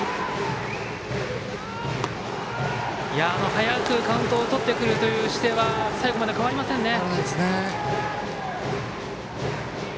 早くカウントをとってくるという姿勢は最後まで変わりませんね。